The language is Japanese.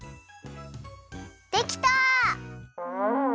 できた！